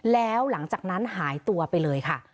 แล้วหลังจากนั้นหายตัวไปเลยค่ะ